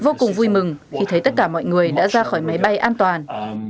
vô cùng vui mừng khi thấy tất cả mọi người đã ra khỏi máy bay an toàn